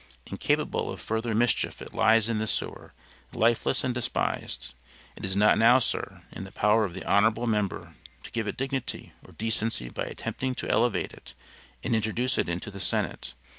Incapable of further mischief it lies in the sewer, lifeless and despised. It is not now, sir, in the power of the honorable member to give it dignity or decency by attempting to elevate it and introduce it into the Senate.